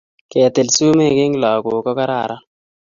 Ketil sumek eng lakok ko kararan